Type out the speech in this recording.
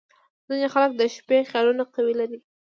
• ځینې خلک د شپې خیالونه قوي لري.